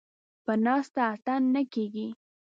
ـ په ناسته اتڼ نه کېږي.